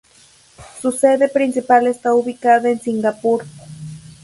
Su sede principal está ubicada en Singapur.